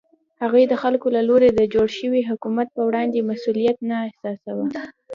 هغوی د خلکو له لوري د جوړ شوي حکومت په وړاندې مسوولیت نه احساساوه.